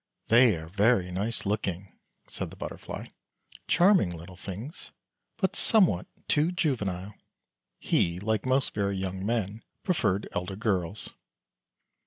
" They are very nice looking," said the Butterfly, " charming little things, but somewhat too juvenile." He, like most very young men, preferred elder girls.